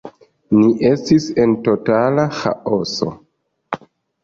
Ni estis en totala ĥaoso.